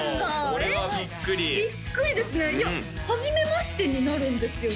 これはビックリビックリですねいやはじめましてになるんですよね